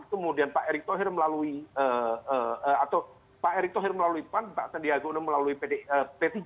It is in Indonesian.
kemudian pak erik thohir melalui pan pak sandiaga uno melalui p tiga